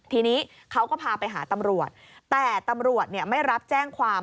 ทีนี้เขาก็พาไปหาตำรวจแต่ตำรวจไม่รับแจ้งความ